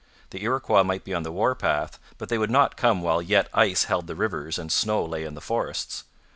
The Iroquois might be on the war path, but they would not come while yet ice held the rivers and snow lay in the forests.